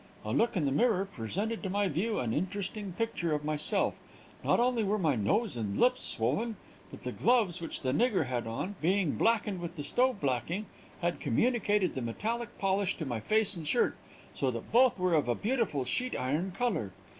A look into the mirror presented to my view an interesting picture of my self; not only were my nose and lips swollen, but the gloves which the nigger had on, being blackened with the stove blacking, had communicated the metallic polish to my face and shirt, so that both were of a beautiful sheet iron color.